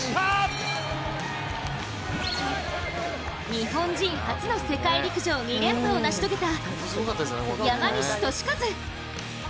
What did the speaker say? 日本人初の世界陸上２連覇を成し遂げた山西利和。